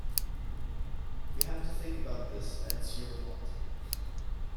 We have to think about this and it 's your fault.